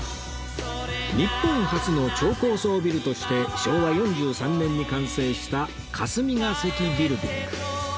日本初の超高層ビルとして昭和４３年に完成した霞が関ビルディング